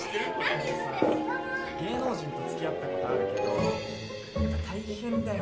芸能人とつきあったことあるけどやっぱ大変だよね。